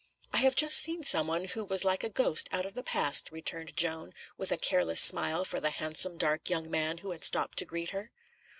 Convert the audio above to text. "I have just seen some one who was like a ghost out of the past," returned Joan, with a careless smile for the handsome, dark young man who had stopped to greet her.